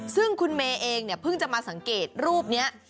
ซึ่งคุณเมย์เองเนี่ยเพิ่งจะมาสังเกตรูปนี้